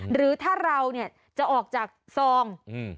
หรือถ้าเราเนี่ยจะออกจากซอง